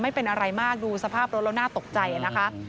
ไม่เป็นอะไรมากดูสภาพรถแล้วน่าตกใจนะคะ